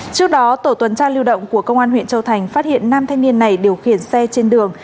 trước đó tổ tuần tra lưu động của công an huyện châu thành phát hiện nam thanh niên này điều khiển xe trên đường